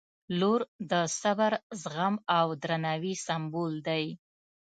• لور د صبر، زغم او درناوي سمبول دی.